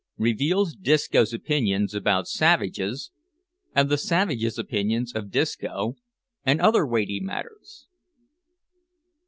REVEALS DISCO'S OPINIONS ABOUT SAVAGES, AND THE SAVAGES' OPINIONS OF DISCO, AND OTHER WEIGHTY MATTERS.